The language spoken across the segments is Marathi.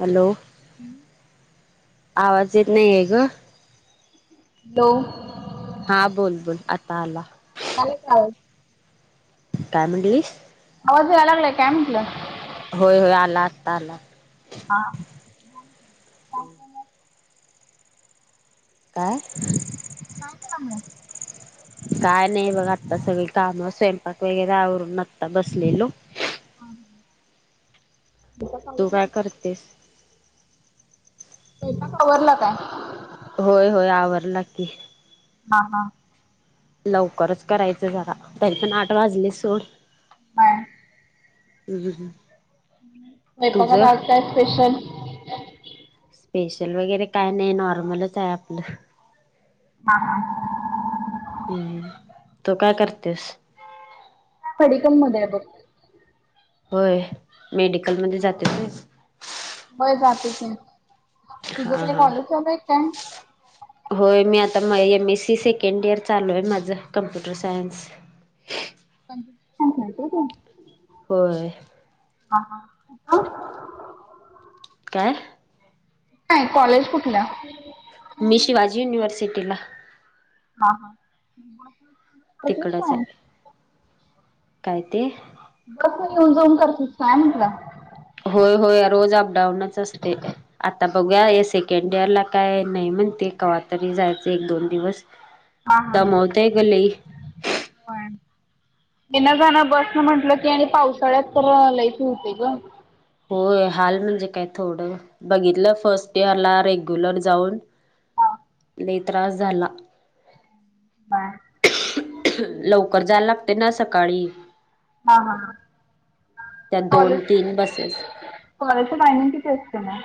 हॅलो आवाज येत नाही आहे ग. हो. हा बोल बोल आता आला. ले का? काय म्हणटलीस? आवाज नाहीयलगलय काय म्हटलं? होय होय आला आत्ता आला. हा. ह. काय? काय कालं? काय नाही बघ आत्ता सगळी काम स्वयंपाक वगैरे आवरून आता बसलेलो. [inaudible] स्वयंपाक तू आवरला? काय करतेस? आवरलं काय? होय होय आवरलं की हा हा. लवकरच करायचं झारा तरी पण आठ वाजली सोड. हा. हम्. स्वयंपाकात आताय स्पेशल स्पेशल वगैरे काय नाही नॉर्मलच आहे आपलं. हा हा. हम्म तू काय करतेस? मेडिकल मध्येआहे बग. होय मेडिकलमध्येध्ये जाते. होय जाते की. तुझं काही कॉलेज चाल आहेत काय? होय मी आता M S C second year चालू आहे माझं कम्प्युटर सायन्स त का? होय. हा हा काय नाही कॉलेज कुठलं मी शिवाजी युनिव्हर्सिटीला हा हा करतेस तिकडच काय? आहे काय ते बस म येऊन जाऊन करतेस काय म्हटलं होय होय रोज अप डाऊनच असते आता बघू या सेकंड इयर ला काय नाही म्हणते कव्हा तरी जायचं एक दोन दिवस हा हा दमवतय ग लई. हो तेना झाण बस न म्हटलं की आणि पावसाळ्यात तर लायची होते ग होय हाल म्हणजे काय थोडं बघितलं फर्स्ट इयरला रेग्युलर जाऊन हां त्रास झाला हा लवकर जायला लागते ना सकाळी हा त्या हाॉले दोन तीन बसेस कॉलेजचं टायमिंग किती असतं ना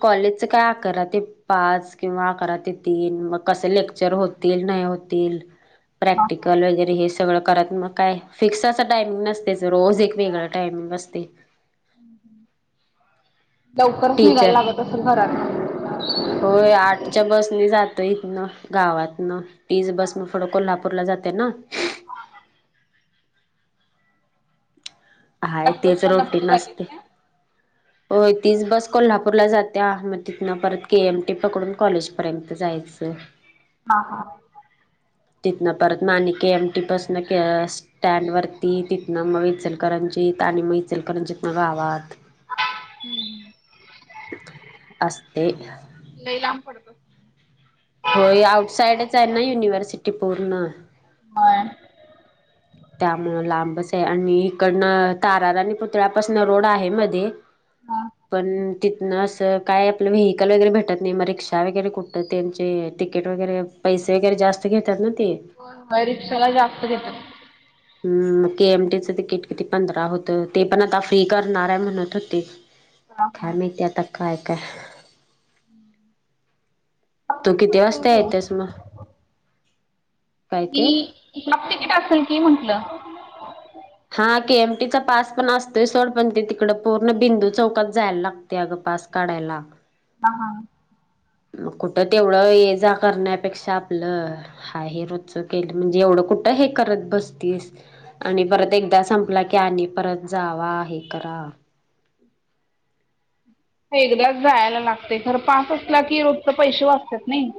कॉलेजच काय अकरा ते पाच किंवा अकरा ते तीन मग कसं लेक्चर होत तेल नाही होतील ह प्रॅक्टिकल वगैरे हे स.. सगळं करायच मग काय फिक्स असं टाईम नसतेच रोज एक वेगळ टटेईम असते. लवकरच निघायला टीचर लागत असल घरात. होय आठच्या बसनी जातोय हितन गावातनं. तीज बस म फुड कोल्हापूर ला जाते ना. हाय त्याच तेच बसमधनं रोटी पुढे जातेस नसते काय? होय तीच बस कोल्हापूरला जाते मग तिथन परत के एमटी पकडून कॉलेजपर्यंत जायचं ह ह तिथनं परत ना आणि के एमटी पासन स्टँड वरती तिथनं मग इचलकरांची आणि मग इचलकरंजीत नव आवात हा असस्ते लई लांब पडतो होय आउटसाईडच आहे ना युनिव्हर्सिटी पूर्ण ह त्यामुं लांबच आहे आणि इकडनं ताराराणी आणि पुतळ्यापासून रोड आहे मध्ये हां पण तिथनं असं काय आपलं व्हेिकल वगैरे भेटत नाही मग रिक्षा वगैरे कुठं त्यांचे तिकीट वगैरे पैसे वगैरे जास्त घेतात ना ते. अय रिक्षाला जास्त घेतात. हमहम्म मग के एमटीचं तिकीट किती, पंधरा होतं. ते पण आता फ्री करणार आहे म्हणत होते. हां काय हां माहित आत्ता काय कांय हह. हाफ तू तिकीट किती असेल वाजता की येतस मग. काय ती ते इतलपण टाकुन घें म्हंटलं [unintelligible] हा के एमटीचा पास पण असतोय सोड पण ते तिकड पूर्ण बिंदू चौकात जायला ला. त्याग पास काढायला. हाहा.. मग कुठं तेवढं ये जा करण्यापेक्षा आपलं.. हा हे रोजच केलं म्हणजे एवढं कुठं हे करत बसतीस. आणि परत एकदा संपला की, आणि परत जावा हे करा. एकदाच जायला लागते खर पास असला की, रोजचे पैसे वाचतात नाही.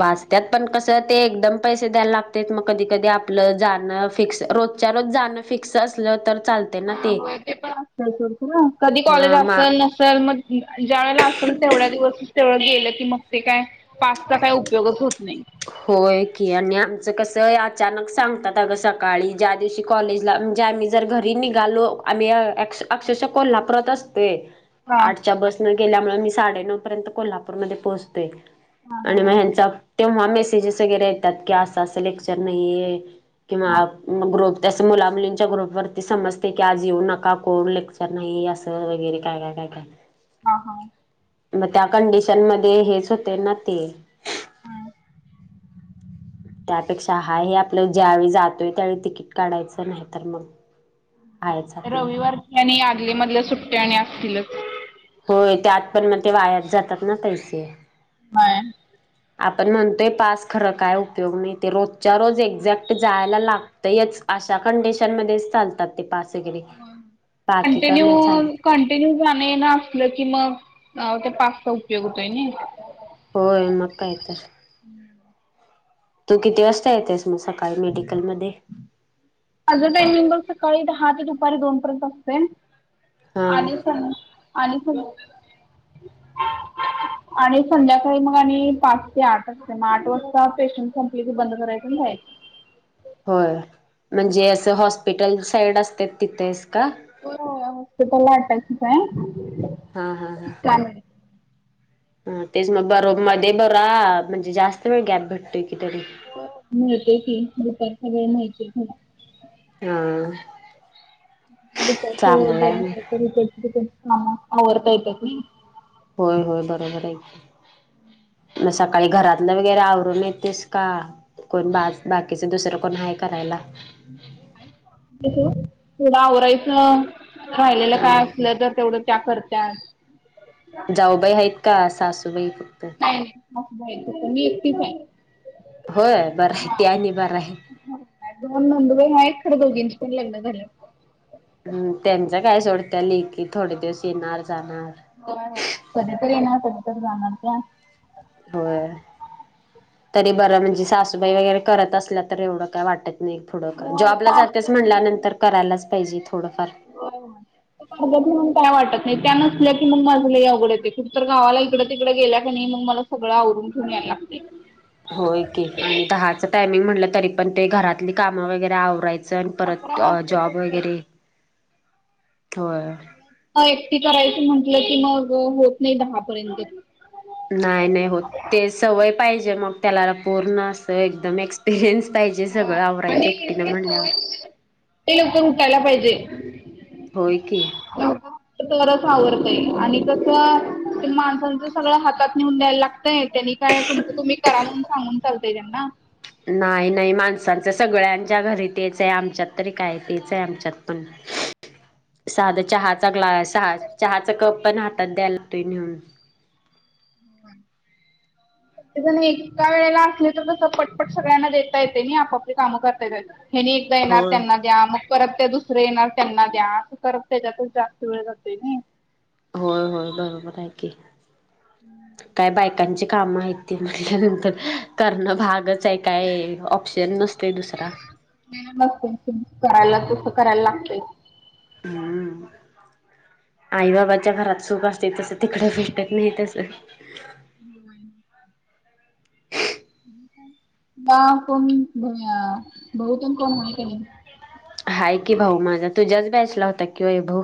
वाचत्यात पण कसं ते एकदम पैसे द्यायला लागते. मग कधी कधी आपलं जाणं फिक्स रोज.. रोजच्या रोज जाणं फिक्स असलं तर चाल.. हा होय ते पण असल कधी कॉलेज हा मा असेल, नसेल मग. अन अं ज्या वेळेला असेल, तेवढ्या दिवस तेवढ गेलं की मग ते काय. पासचा काय उपयोगच होत नाही. होय की आणि आमचं कस, अचानक सांगतात. अग सकाळी जां.. तेशी कॉलेजला म्हणजे आम्ही जर, घरी निघालो. आम्ही अक्षरशा कोल्हापुरत असतोय. हा आठच्या बस न गेल्यामुळे मी साडेनऊ पर्यंत कोल्हापूरमध्ये पोहचतोय. हा आणि मग ह्यांचा तेव्हा मेसेजेस वगैरे येतात की असं, असं लेक्चर नाही आहे. किंवा हा मग ग्रोथ. तसं मुला मुलींच्या ग्रुपवरती समजते की आज येऊ नका कोण लेक्चर नाही असं वगैरे काय काय काय.. हा, हा. मग त्या कंडिशन मध्ये हेच होते ना ते. हा त्यापेक्षा हाय हे आपलं ज्यावेळी जातोय त्यावेळी तिकीट काढायचं नाही तर मग. आहेच आपलं रविवारचं आणि आदली मधल्या सुट्ट्या आणि आतीलच. होय त्यात पण मग ते वायाच जातात ना पैसे. बाय. आपण म्हणतोय पास खरं काय उपयोग नाही ते रोजच्या रोज एक्झॅक्ट जायला लागत. तयेच, अशा कंडिशन मध्येच चालतात. ते पास वगैरे पाकी कर कंटिन्यू नाही चालत. कंटिन्यू जाणं एनं असल की मग त्या पासचा उपयोग होतोय नाई. होय, मग काय तर. तू किती वाजता येतेस मग सकाळी मेडिकलमध्ये? माझं टाइमिंग बग सकाळी दहा ते दुपारी दोन पर्यंत असतेय हा आणि स आणि आणि संध्याकाळी मग आणि पाच ते आठ असते मग आठ वाजता पेशंट संपले की बंद करायचं ना जायच. होय म्हणजे असं हॉस्पिटल साईड असते तिथेसका?. होय ओ [unintelligible] हतिथं लाटायच. हं हा हा. हा तेच मग बर मध्ये बरा म्हणजे जास्त वेळ गॅप भेटतोय की तरी. हो मिळते की दुपार सगळ माहिती आहे तुला. हा हं ह जरा दुपारचं वय आहे मग जराकाहीतर कामात आवरता येता की. होय, होय बरोबर आहे की. मग सकाळी घरातलं वगैरे आवरून येतेस का?. कोण बा बाकीच दुसरं कोण हाय करायला? किती थोडं आवरायच राहिलेलं हा काय असलं तर तेवढं त्या करत्यात. काय जाऊबाई आहेत का? सासूबाई फक्त. मी एकटीच हाय. होय, बरं आहे ते आणि बरं आय. दोन नंदूबाई आहे. खरं दोघींचे पण लग्न झाल्यात. हम्म त्यांच काय सोड त्या लेकी थोडे दिवस येणार, जाणार. होय, होय कधी तरी येणार, कधी तर जाणार त्या. होय, तरी बरं म्हणजे सासूबाई वगैरे करत असल्या तर एवढं काय वाटत नाही. थोडं का होय जॉबला त्या जात्यास असतात म्हटल्यानंतर करायलाच पाहिजे थोडफार. हो अ.. मग काय वाटत नाही त्या नसल्या की मग माझ लय अवगड होतय कुठ तर गावाला इकडं, तिकडे गेल्या का नाही मग मला सगळं आवरून ठेऊन यायला लागतेय. होय, की आणि दहाचं टायमिंग म्हटलं तरी पण ते घरातली कामं वगैरे आवरायच अकरा परत वाजतातच जॉब ते वगैरे,, होय,, एकटी करायच म्हटलं की मग होत नाही दहापर्यंत.. नाही, नाही होत,, ते सवय पाहिजे मग त्याला पूर्ण, अस एकदम एसऽ पेेन्स पाहिजे सगळं आणि आवरायचं, एकटीनें म्हणल्यावर. ते लोकं उठायला पाहिजे. होय की. लवकर तरच आवरता येईल, आणि कस, माणसांचं सगळं हातात निेूउन द्यायला लागतऽ त्यांनी काय तुमचं तुम्ही करा म्हणून सांगून चालतय त्यांना,, नाही, नाही, माणसांच सगळ्यांच्या घरी तेच आहे, आमच्यात तरी काय? तेच आहे आमच्यात पण. [inaudible] साधा चहाचा ग्लास,, हां, चहाचा कप पण हातात द्यायला लागतोय नेऊन. हम्, ते जण एका वेळेला असले तर तसं पटपट सगळ्यांना देता येतय नाही,, आपापली कामं करता येत येतऽ हेनी एकदा येणार होय त्यांनाऽ द्या, मग परत त्या दुसरे येणार त्यांना द्या, असं करत त्याच्यातच जास्त वेळ जातोय नाही. होय, होय, बरोबर हाय की, काय बायकऽ लोकांची कामं आहेत ती म्हटल्यानंतर,, करणं भागच आहे, काय ऑप्शन नसतय दुसरा. न त करायला तुसं करायला लागतय,, हम्म, आई बाबाच्या घरात सुख असतय, तस तिकडे भेटत नाही तसं. हम्, ह, ना कोण, भाऊतन कोण हायत का नाही? हाय की भाऊ माझा तुझ्याच बॅचला होता कि वैभव.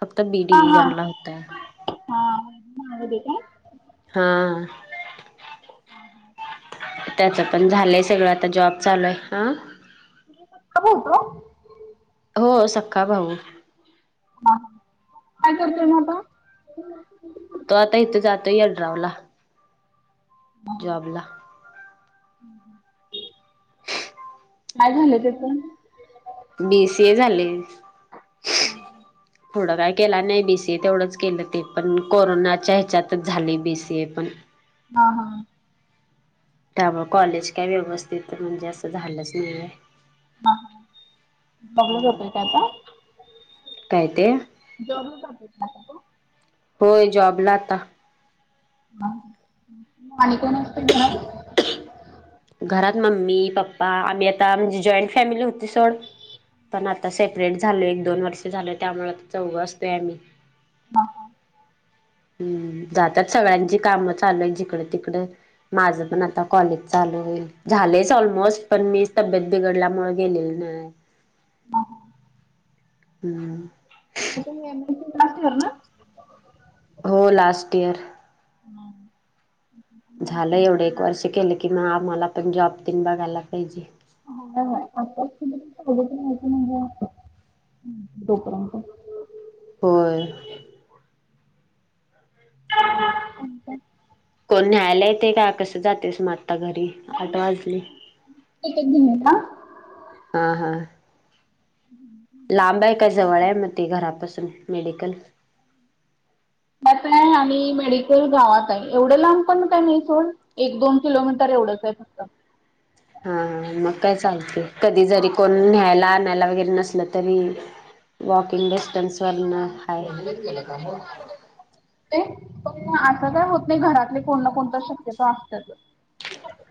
फक्त बी हा डिव्हजन ला हा होतय. हा,, गदी आहे हा, त्याच पण झालंय सगळ आता जॉबऽ चालू आय,, हां,, हुतोऽ हो सका भाऊ. ह,, काय करतोय म आता? तो आता इथं जातोय यड्राव ला. जॉबला. ह् ते काय झालं तेथून? बी सी ए झाले. पुढ काय केलं नाही बी सी ए तेवढंच केलं ते पण कोरोनाच्या ह्याच्यातच झाले बी सी ए पण. हा हा. त्या कॉलेज काय व्यवस्थित म्हणजे असं झालंच नाहीय. ह बघल होतोय का आता. काय ते? [inaudible] होय जॉबला आता. ह आणि कोणा कडन. घरात मम्मी पप्पा आम्ही आता म्हणजे जॉईंट फॅमिली होती सोड पण आता सेपरेट झाले एक दोन वर्ष झालं त्यामुळे आ चौघ असतोय आम्ही. हा. हम्म जातात सगळ्यांची काम चालू आहे जिकड तिकड. माझ पण आता कॉलेज चालू होईल झालेच ऑलमोस्ट पण मी तब्येत बिघडल्यामुळे गेलेली नाही. हा. हम्म. [inaudible] हो लास्ट इयर. हम्म. झालं एवढं एक वर्ष केलं की मग आम्हाला पण जॉब तन बघायला पाहिजे. [inaudible] होय. [inaudible] कोण न्यायला येते का कसं जातेस मग आत्ता घरी. आठ वाजले तिकीट घेणे का? हा हा. लांब आहे काय जवळ आहे मग ते घरापासून मेडिकल? आहे आणि मेडिकल गावात आहे एवढं लांब पण काय नाही इथून. एक दोन किलोमीटर एवढंच आहे फक्त. हा मग काय चालतेय कधी हा. जरी कोण न्यायला आणायला वगैरे नसल तरी. वॉकिंग डिस्टन्स वरण हा हाय. चालत ते पण असं काय होत नाही घरातले कोण ना कोणत शक्यता असतच.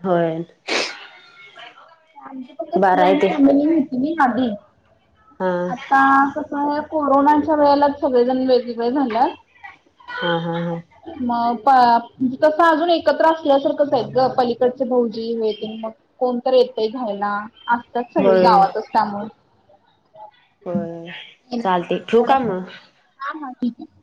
होय. आमची फक्त बरं आहे जॉईंट ते फॅमिली होती मागे हा आता कस. कोरोनाच्या वेळेलाच सगळेजण वेगवेगळे झाल्यात. हा हा हा. मग प तसं अजून एकत्र असल्यासारखंच आहेत ग पलीकडचे भाऊजी हे ते मग कोणत येतय घ्यायला असतात सगळी होय गावातच त्यामुळे होय चालते ठेवू का मग हा हा ठीक आहे.